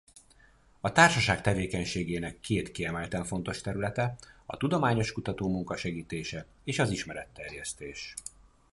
A társaság tevékenységének két kiemelten fontos területe a tudományos kutatómunka segítése és az ismeretterjesztés.